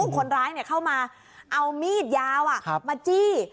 คนร้ายเข้ามาเอามีดยาวมาจี้